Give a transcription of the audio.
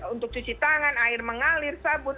untuk cuci tangan air mengalir sabut